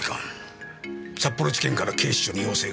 札幌地検から警視庁に要請があった。